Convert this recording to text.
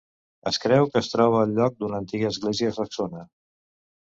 Es creu que es troba al lloc d'una antiga església saxona.